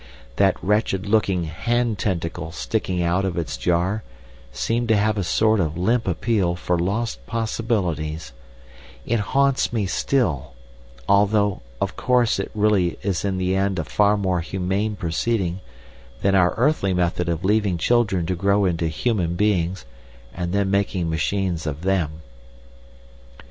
That wretched looking hand tentacle sticking out of its jar seemed to have a sort of limp appeal for lost possibilities; it haunts me still, although, of course it is really in the end a far more humane proceeding than our earthly method of leaving children to grow into human beings, and then making machines of them.